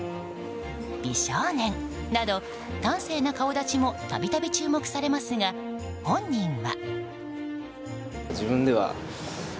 美少年など端正な顔立ちもたびたび注目されますが本人は。